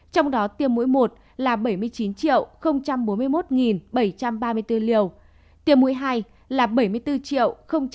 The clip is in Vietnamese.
trong đó tiêm mũi một là bảy mươi chín bốn mươi một bảy trăm ba mươi bốn liều tiêm mũi hai là bảy mươi bốn chín mươi chín bảy trăm bảy mươi hai liều